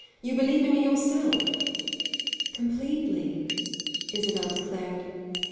You believe in me yourself." "Completely," Isabel declared.